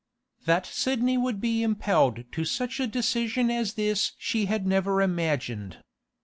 That Sidney would be impelled to such a decision as this she had never imagined.